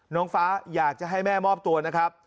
น้องฟ้าอยากจะให้แม่มอบตัวนะครับ